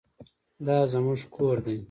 دا زموږ کور دی